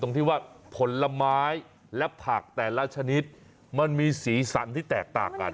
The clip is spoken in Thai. ที่ว่าผลไม้และผักแต่ละชนิดมันมีสีสันที่แตกต่างกัน